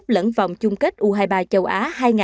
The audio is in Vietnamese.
lẫn vòng chung kết u hai mươi ba châu á hai nghìn hai mươi